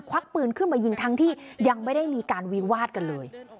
วักปืนขึ้นมายิงทั้งที่ยังไม่ได้มีการวิวาดกันเลย